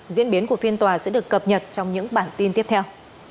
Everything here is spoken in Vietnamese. diễn biến của phiên tòa sẽ được cập nhật trong những bản tin tiếp theo